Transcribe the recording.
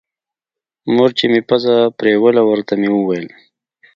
مور چې مې پزه پرېوله ورته ويې ويل.